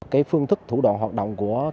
cái phương thức thủ đoạn hoạt động của các đối tượng